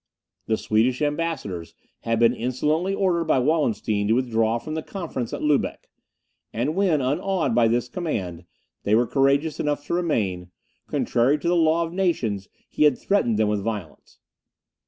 The Swedish ambassadors had been insolently ordered by Wallenstein to withdraw from the conference at Lubeck; and when, unawed by this command, they were courageous enough to remain, contrary to the law of nations, he had threatened them with violence.